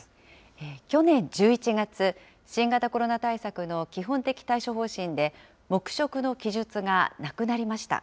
去年１１月、新型コロナ対策の基本的対処方針で、黙食の記述がなくなりました。